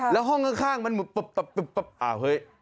แล้วห้องข้างมันหุบตับอ้าวเฮ้ย